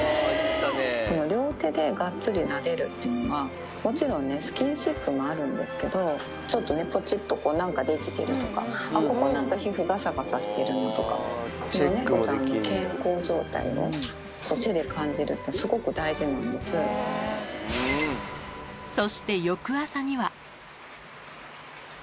両手でがっつりなでるというのは、もちろんね、スキンシップもあるんですけど、ちょっとぽちっと、なんか出来てるとか、あっ、ここ、なんか皮膚がさがさしてるなとか、健康状態を手で感じるって、そして翌朝には。